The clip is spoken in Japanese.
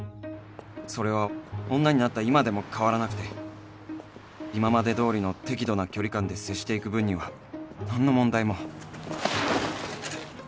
それは女になった今でも変わらなくて今までどおりの適度な距離感で接していく分には何の問題も